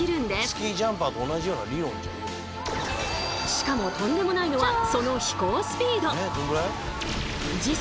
しかもとんでもないのはその飛行スピード！